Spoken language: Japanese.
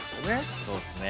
そうっすね。